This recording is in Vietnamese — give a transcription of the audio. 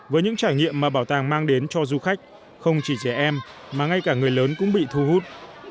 với những trải nghiệm mà bảo tàng mang đến cho du khách không chỉ trẻ em mà ngay cả người lớn cũng bị thu hút